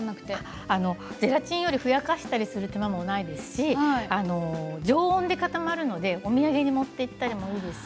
ゼラチンよりふやかす手間もないですし常温で固まるのでお土産に持っていったりもできます。